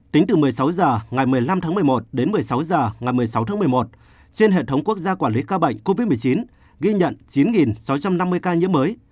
tính từ một mươi sáu h ngày một mươi năm tháng một mươi một đến một mươi sáu h ngày một mươi sáu tháng một mươi một trên hệ thống quốc gia quản lý ca bệnh covid một mươi chín ghi nhận chín sáu trăm năm mươi ca nhiễm mới